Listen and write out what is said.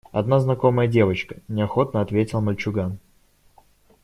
Одна знакомая девочка, – неохотно ответил мальчуган.